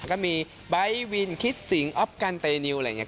ก็มีไบท์วินคิดสิงอ๊อฟกันเตนิวอะไรอย่างนี้